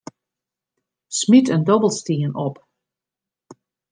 Smyt in dobbelstien op.